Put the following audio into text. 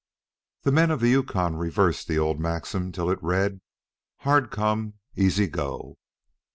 The men of the Yukon reversed the old maxim till it read: hard come, easy go.